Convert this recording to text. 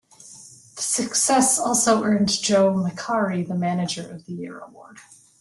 This success also earned Joe McAree the Manager of the year award.